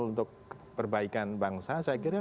untuk perbaikan bangsa saya kira